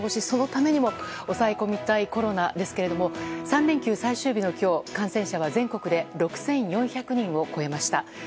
そのためにも抑え込みたいコロナですけれども３連休最終日の今日感染者は全国で６４００人を超えました。